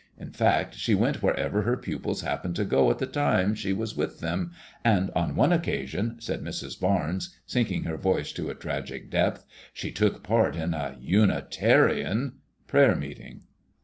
In fact, she went wherever her pupils hap pened to go at the time she wa? with them, and on one occasion/' said Mrs. Barnes, sinking her voice to a tragic depth, she took part in a Unitarian prayer meeting